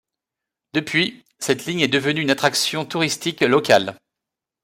Depuis, cette ligne est devenue une attraction touristique locale.